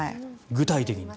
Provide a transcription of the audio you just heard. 具体的に。